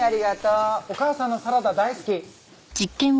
お母さんのサラダ大好き！